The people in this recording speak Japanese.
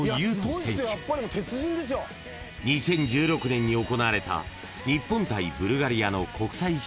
［２０１６年に行われた日本対ブルガリアの国際親善試合］